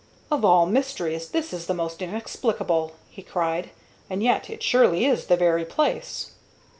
"Of all mysteries this is the most inexplicable!" he cried; "and yet it surely is the very place."